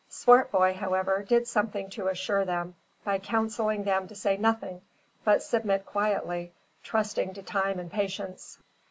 Swartboy, however, did something to assure them, by counselling them to say nothing, but submit quietly, trusting to time and patience.